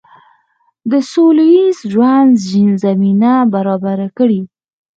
د سوله ییز ژوند زمینه برابره کړي.